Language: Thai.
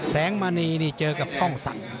แสงมันนีนี่เจอกับกล้องสัก